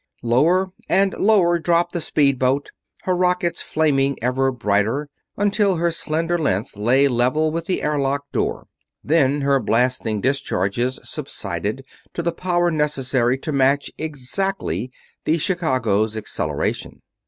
Lower and lower dropped the speedboat, her rockets flaming ever brighter, until her slender length lay level with the airlock door. Then her blasting discharges subsided to the power necessary to match exactly the Chicago's acceleration.